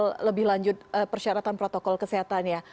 bagaimana cara mengenai detail lebih lanjut persyaratan protokol kesehatan ya